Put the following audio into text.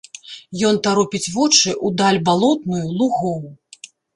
Ён таропіць вочы ў даль балотную лугоў.